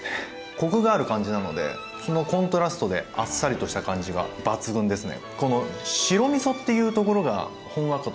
コクがある感じなのでそのコントラストであっさりとした感じが抜群ですね。